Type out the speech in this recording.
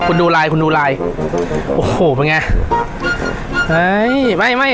คุณดูลายคุณดูลายโอ้โหเป็นไงไอ้ไอ้ไม่ไม่